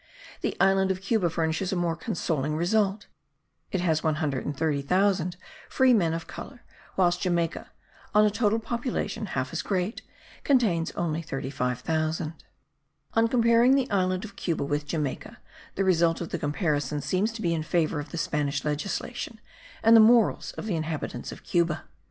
The island of Cuba furnishes a more consoling result; it has 130,000 free men of colour, whilst Jamaica, on a total population half as great, contains only 35,000. On comparing the island of Cuba with Jamaica, the result of the comparison seems to be in favour of the Spanish legislation, and the morals of the inhabitants of Cuba.